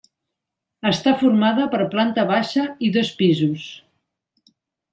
Està formada per planta baixa i dos pisos.